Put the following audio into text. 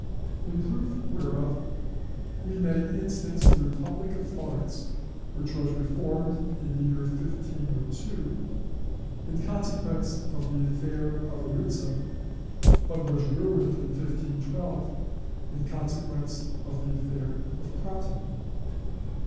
In proof whereof we may instance the republic of Florence, which was reformed in the year 1502, in consequence of the affair of Arezzo, but was ruined in 1512, in consequence of the affair of Prato.